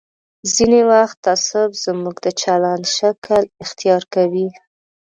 ځینې وخت تعصب زموږ د چلند شکل اختیار کوي.